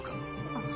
あっ。